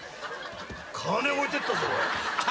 金置いてったぞ。